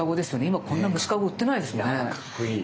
今こんな虫かご売ってないですよね。